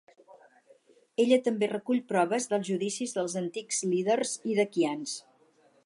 Ella també recull proves dels judicis dels antics líders iraquians.